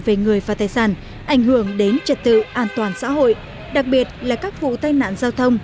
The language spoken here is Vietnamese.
về người và tài sản ảnh hưởng đến trật tự an toàn xã hội đặc biệt là các vụ tai nạn giao thông